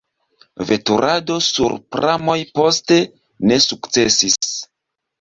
Veturado sur pramoj poste ne sukcesis.